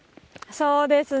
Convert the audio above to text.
そうですね。